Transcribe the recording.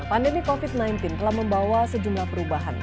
pandemi covid sembilan belas telah membawa sejumlah perubahan